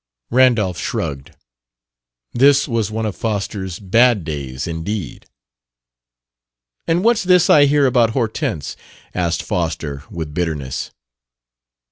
Randolph shrugged. This was one of Foster's bad days indeed. "And what's this I hear about Hortense?" asked Foster, with bitterness.